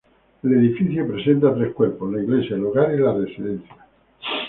El edificio presenta tres cuerpos: la iglesia, el hogar y la residencia.